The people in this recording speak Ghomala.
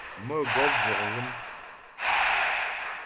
Mə̌gɔp vɔk ghə́m.